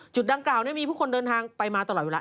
ดังกล่าวมีผู้คนเดินทางไปมาตลอดเวลา